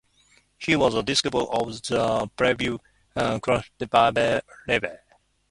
He was a disciple of the previous Klausenberger Rebbe.